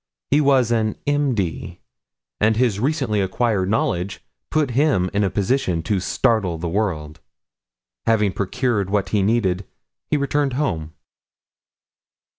He was an M.D. and his recently acquired knowledge put him in a position to startle the world. Having procured what he needed he returned home.